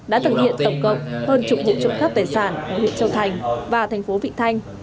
đã thực hiện tổng cộng hơn chục vụ trộm cắp tài sản ở huyện châu thành và thành phố vị thanh